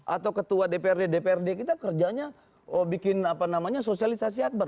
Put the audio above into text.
atau ketua dprd dprd kita kerjanya bikin apa namanya sosialisasi akbar